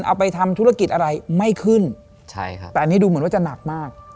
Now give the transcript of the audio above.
เอาไปทำธุรกิจอะไรไม่ขึ้นใช่ครับแต่อันนี้ดูเหมือนว่าจะหนักมาก